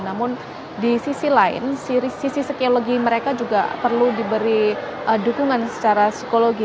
namun di sisi lain sisi psikologi mereka juga perlu diberi dukungan secara psikologi